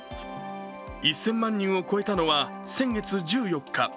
１０００万人を超えたのは先月１４日。